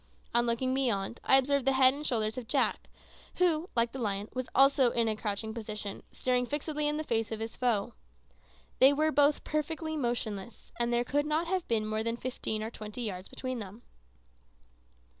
On looking beyond, I observed the head and shoulders of Jack, who, like the lion, was also in a crouching position, staring fixedly in the face of his foe. They were both perfectly motionless, and there could not have been more than fifteen or twenty yards between them.